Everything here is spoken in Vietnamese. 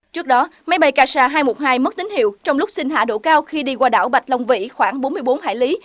trước đó máy bay ksa hai trăm một mươi hai mất tín hiệu trong lúc xin hạ độ cao khi đi qua đảo bạch long vĩ khoảng bốn mươi bốn hải lý